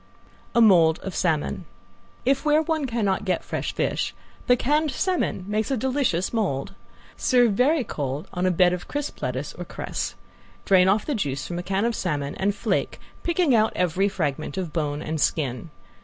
~A MOLD OF SALMON~ If where one cannot get fresh fish, the canned salmon makes a delicious mold. Serve very cold on a bed of crisp lettuce or cress. Drain off the juice from a can of salmon, and flake, picking out every fragment of bone and skin.